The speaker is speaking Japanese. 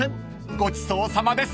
［ごちそうさまです］